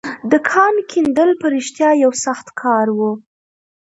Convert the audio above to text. د کان کیندل په رښتيا يو خورا سخت کار و.